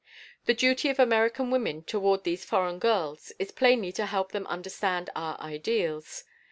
The duty of American women toward these foreign girls is plainly to help them understand our ideals.